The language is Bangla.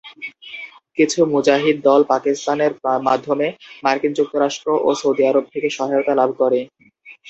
কিছু মুজাহিদ দল পাকিস্তানের মাধ্যমে মার্কিন যুক্তরাষ্ট্র ও সৌদি আরব থেকে সহায়তা লাভ করে।